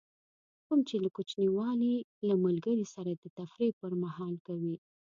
کوم چې له کوچنیوالي له ملګري سره د تفریح پر مهال کوئ.